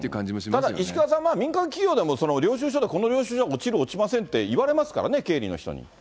ただ、石川さん、民間企業でも、領収書で、この領収書落ちる、落ちませんって言われますからね、経理の人に。